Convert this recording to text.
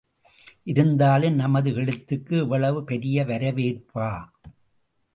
இருந்தாலும், நமது எழுத்துக்கு இவ்வளவு பெரிய வரவேற்பா?